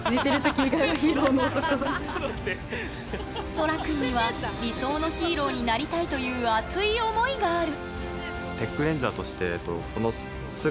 そら君には理想のヒーローになりたいという熱い思いがある。